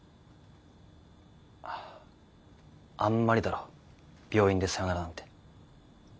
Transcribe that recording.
ああんまりだろ病院でさよならなんて。